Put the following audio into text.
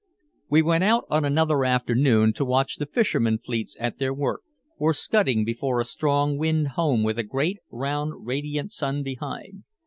We went out on another afternoon to watch the fisherman fleets at their work or scudding before a strong wind home with a great, round, radiant sun behind.